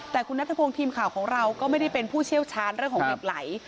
แต่คุณนัทพงศ์ทีมข่าวของเราก็ไม่ได้เป็นผู้เชี่ยวชาญเรื่องของเหล็กไหล